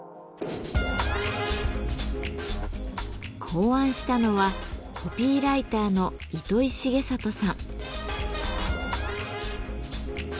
考案したのはコピーライターの糸井重里さん。